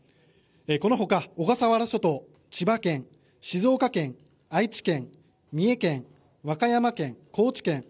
このほか小笠原諸島、千葉県、静岡県愛知県、三重県、和歌山県高知県